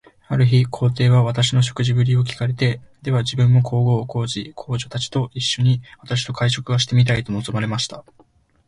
ある日、皇帝は私の食事振りを聞かれて、では自分も皇后、皇子、皇女たちと一しょに、私と会食がしてみたいと望まれました。